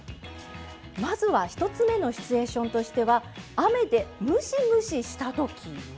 まずは１つ目のシチュエーションとしては雨でムシムシしたときは。